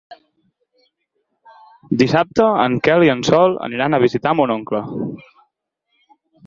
Dissabte en Quel i en Sol aniran a visitar mon oncle.